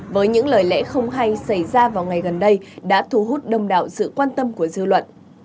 với những lời lẽ không hay xảy ra vào ngày gần đây đã thu hút đông đạo sự quan tâm của dư luận